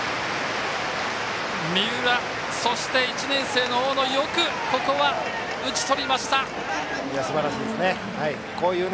三浦、そして１年生の大野よくここは打ち取りました。